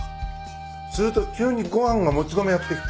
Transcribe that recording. すると急にご飯がもち米やって来て